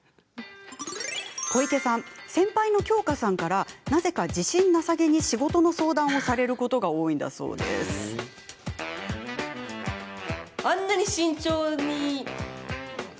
小池さん、先輩の京香さんからなぜか自信なさげに仕事の相談をされることが多いんだそうです。と思いました。